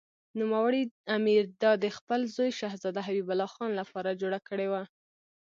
نوموړي امیر دا د خپل زوی شهزاده حبیب الله خان لپاره جوړه کړې وه.